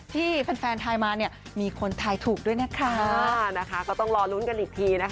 ที่แฟนแฟนทายมาเนี่ยมีคนทายถูกด้วยนะคะก็ต้องรอลุ้นกันอีกทีนะคะ